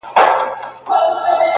یو ډارونکی. ورانونکی شی خو هم نه دی.